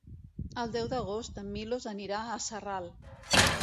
El deu d'agost en Milos anirà a Sarral.